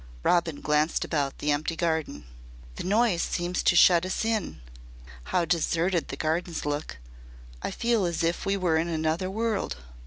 Robin glanced about the empty garden. "The noise seems to shut us in. How deserted the Gardens look. I feel as if we were in another world.